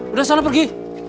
udah sana pergi